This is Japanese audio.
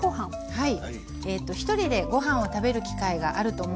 はい。